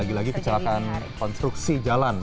lagi lagi kecelakaan konstruksi jalan